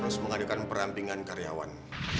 harus mengadukan perampingan karyawan